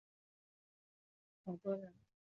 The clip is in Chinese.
台湾由青文出版社代理出版漫画单行本。